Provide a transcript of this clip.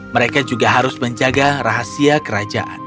mereka juga harus menjaga rahasia kerajaan